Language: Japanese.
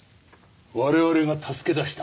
我々が助け出した。